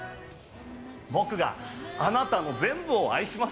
僕があなたの全部を愛します。